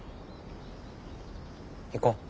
行こう。